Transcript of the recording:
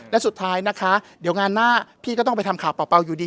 และสุดท้ายนะคะเดี๋ยวงานหน้าพี่ก็ต้องไปทำข่าวเป่าอยู่ดี